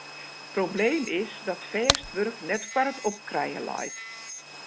Probleem is dat fêst wurk net foar it opkrijen leit.